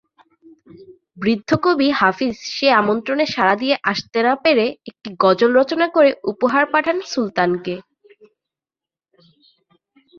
বৃদ্ধ কবি হাফিজ সে আমন্ত্রণে সাড়া দিয়ে আসতে না পেরে একটা গজল রচনা করে উপহার পাঠান সুলতানকে।